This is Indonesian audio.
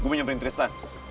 gue mau nyamperin tristan